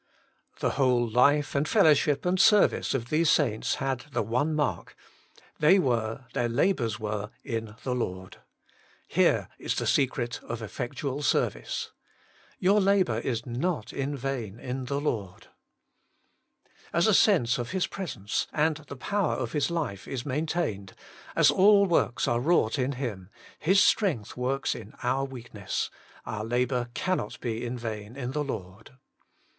The whole life and fellowship and service of these saints had the one mark — they were, their labours were, in the Lord. Here is the secret of effectual service. Your la bour is not ' in vain in the Lord/ As a sense of His presence and the power of His life is maintained, as all works are wrought in Him, His strength works in our weak ness; our labour cannot be in vain in the Lord.